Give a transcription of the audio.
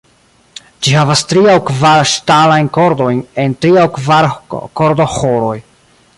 Ĝi havas tri aŭ kvar ŝtalajn kordojn en tri aŭ kvar kordoĥoroj.